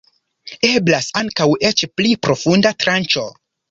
Eblas ankaŭ eĉ pli profunda tranĉo.